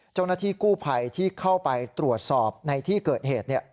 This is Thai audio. เจ้าหน้าที่กู้ภัยที่เข้าไปตรวจสอบในที่เกิดเหตุ